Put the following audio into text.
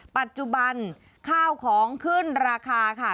ปัจจุบันข้าวของขึ้นราคาค่ะ